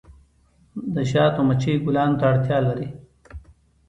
د شاتو مچۍ ګلانو ته اړتیا لري